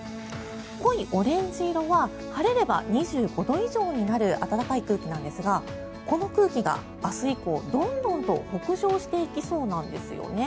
濃いオレンジ色は晴れれば２５度以上になる暖かい空気なんですがこの空気が明日以降どんどんと北上していきそうなんです。